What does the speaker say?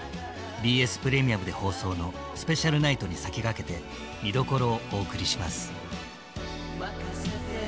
ＢＳプレミアムで放送の「スペシャルナイト」に先駆けて見どころをお送りします。